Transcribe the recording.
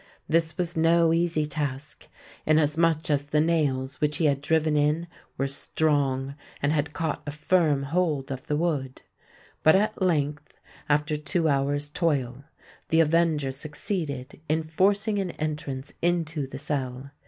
This was no easy task; inasmuch as the nails which he had driven in were strong, and had caught a firm hold of the wood. But at length—after two hours' toil—the avenger succeeded in forcing an entrance into the cell.